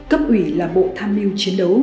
cấp ủy là bộ tham niêu chiến đấu